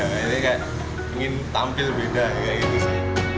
jadi kayak ingin tampil beda kayak gitu sih